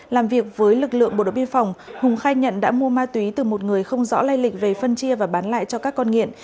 làm việc với lực lượng bộ đội biên phòng hùng khai nhận đã mua ma túy từ một người không rõ lây lịch về phân chia và bán lại cho các con nghiện